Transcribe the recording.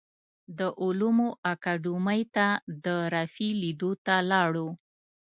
د علومو اکاډیمۍ ته د رفیع لیدو ته لاړو.